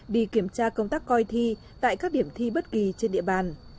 đi kiểm tra công tác coi thi tại các điểm thi bất kỳ trên địa bàn